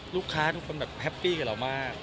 ลูกค้าทุกคนแบบแฮปปี้กับเรามาก